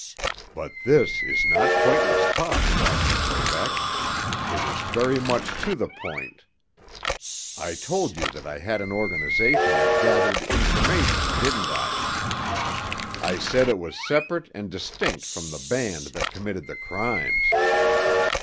"But this is not pointless talk, Roger Verbeck. It is very much to the point. I told you that I had an organization that gathered information, didn't I? I said it was separate and distinct from the band that committed the crimes.